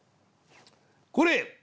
これ！